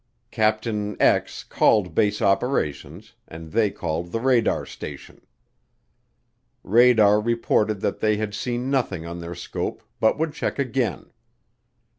Capt. called base operations and they called the radar station. Radar reported that they had seen nothing on their scope but would check again.